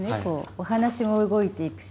お話も動いていくし。